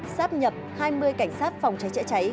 sáp nhập hai mươi cảnh sát phòng cháy chữa cháy